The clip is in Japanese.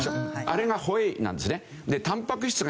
あれがホエイなんですね。